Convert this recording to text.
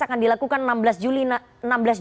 akan dilakukan enam belas bulan